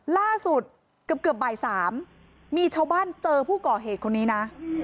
ล่าสุดเกือบบ่าย๓มีชาวบ้านเจอผู้ก่อเหตุคนนี้นะ